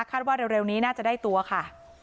ว่าเร็วนี้น่าจะได้ตัวค่ะ